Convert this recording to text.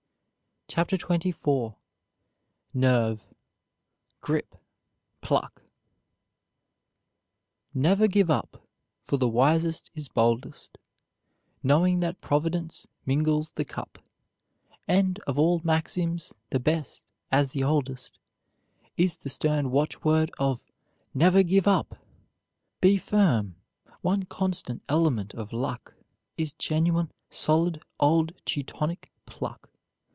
CHAPTER XXIV NERVE GRIP, PLUCK "Never give up; for the wisest is boldest, Knowing that Providence mingles the cup; And of all maxims, the best, as the oldest, Is the stern watchword of 'Never give up!'" Be firm; one constant element of luck Is genuine, solid, old Teutonic pluck.